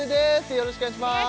よろしくお願いします